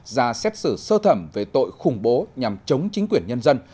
ra xét xử sơ thẩm về tội khủng bố nhằm chống chính quyền nhân dân